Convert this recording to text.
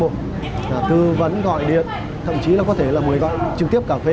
thư vấn gọi điện thậm chí là có thể là người gọi trực tiếp cà phê